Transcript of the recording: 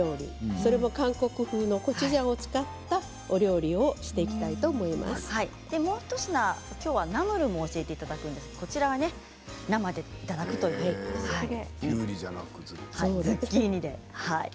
それを韓国風のコチュジャンを使ったお料理をもう一品ナムルも教えていただくんですがこちらは生でいただくきゅうりじゃなく？